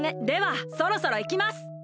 ではそろそろいきます！